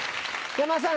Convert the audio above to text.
山田さん